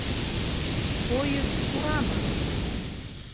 Поезд турамы?